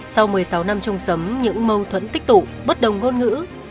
sau một mươi sáu năm trông sấm những mâu thuẫn tích tụ bất đồng ngôn ngữ